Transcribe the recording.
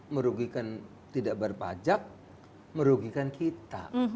merugikan tidak berpajak merugikan kita